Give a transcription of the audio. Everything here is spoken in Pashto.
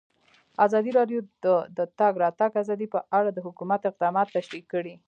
ازادي راډیو د د تګ راتګ ازادي په اړه د حکومت اقدامات تشریح کړي.